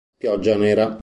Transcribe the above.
Pioggia nera